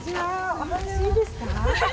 お話いいですか。